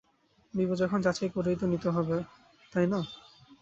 নিবো যখন যাচাই করেই তো নিতে হবে, তাই না?